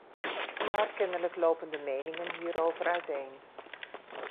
Maar kennelijk lopen de meningen hierover uiteen.